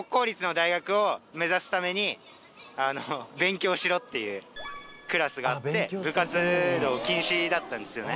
勉強しろっていうクラスがあって部活動禁止だったんですよね